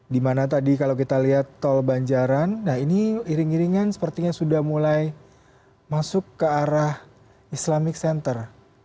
dimana tadi kalau kita lihat tol banjaran nah ini iring iringan sepertinya sudah mulai masuk ke arah islamic center